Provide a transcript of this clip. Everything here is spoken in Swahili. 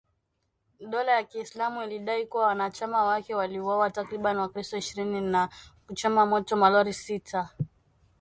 dola ya kiislamu ilidai kuwa wanachama wake waliwauwa takribani wakristo ishirini na kuchoma moto malori sita